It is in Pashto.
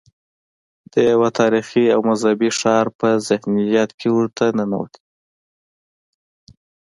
د یو تاریخي او مذهبي ښار په ذهنیت کې ورته ننوتي.